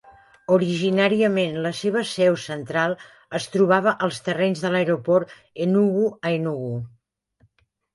Originàriament la seva seu central es trobava als terrenys de l"Aeroport Enugu a Enugu.